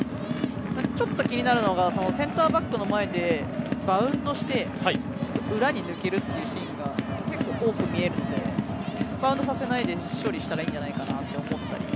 ちょっと気になるのがセンターバックの前でバウンドして裏に抜けるというシーンが結構、多く見えるのでバウンドさせないで処理したらいいんじゃないかなと思ったり。